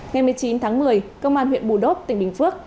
ngày một mươi chín tháng một mươi công an huyện bù đốc tỉnh bình phước